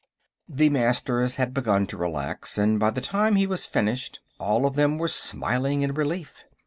The Masters had begun to relax, and by the time he was finished all of them were smiling in relief.